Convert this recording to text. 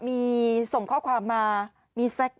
กะเพียรอยสักอย่างโนร์เนาทหน้ากลัวมสงสักอย่างโทษขึ้น